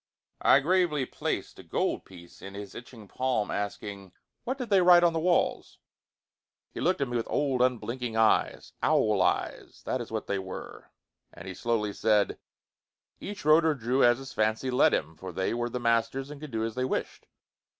I gravely placed a gold piece in his itching palm, asking, "What did they write on the walls?" He looked at me with old, unblinking eyes. Owl eyes! That is what they were, and he slowly said, "Each wrote or drew as his fancy led him, for they were the masters and could do as they wished."